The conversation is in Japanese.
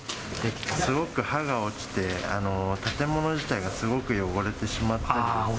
すごく葉が落ちて、建物自体がすごく汚れてしまったりとか。